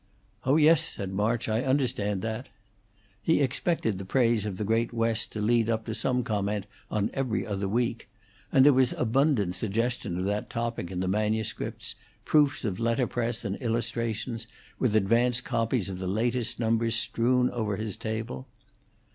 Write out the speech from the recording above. "Oh yes," said March, "I understand that." He expected the praise of the great West to lead up to some comment on 'Every Other Week'; and there was abundant suggestion of that topic in the manuscripts, proofs of letter press and illustrations, with advance copies of the latest number strewn over his table.